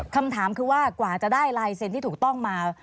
คำถามคือว่ากว่าจะได้ลายเซ็นต์ที่ถูกต้องมา